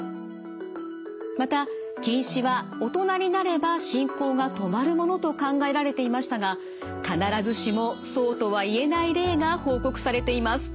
また近視は大人になれば進行が止まるものと考えられていましたが必ずしもそうとは言えない例が報告されています。